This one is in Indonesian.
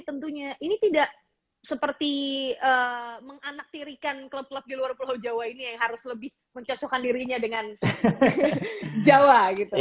tentunya ini tidak seperti menganaktirikan klub klub di luar pulau jawa ini yang harus lebih mencocokkan dirinya dengan jawa gitu ya